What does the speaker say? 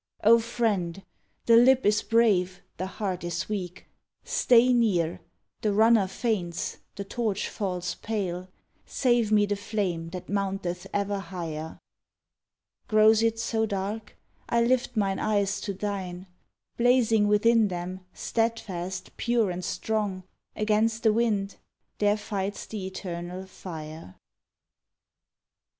O Friend! The lip is brave, the heart is weak. Stay near. The runner faints the torch falls pale. Save me the flame that mounteth ever higher! Grows it so dark? I lift mine eyes to thine; Blazing within them, steadfast, pure, and strong, Against the wind there fights the eternal fire.